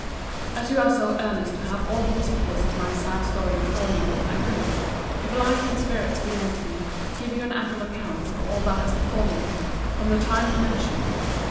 As you are so earnest to have all the particulars of my sad story before you, I will, if life and spirits be lent me, give you an ample account of all that has befallen me, from the time you mention.